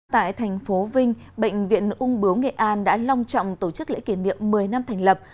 tại thành phố vinh bệnh viện ung bướu nghệ an đã long trọng tổ chức lễ kỷ niệm một mươi năm thành lập